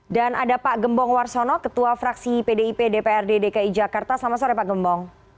dan ada pak gembong warsono ketua fraksi pdip dprd dki jakarta selamat sore pak gembong